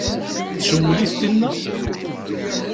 Tcewwel-it tinna?